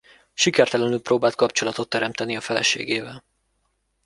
Sikertelenül próbált kapcsolatot teremteni a feleségével.